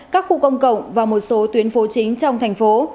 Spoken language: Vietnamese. các khu công cộng và một số tuyến phố chính trong thành phố